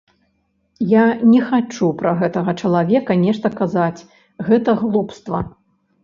Я не хачу пра гэтага чалавека нешта казаць, гэта глупства.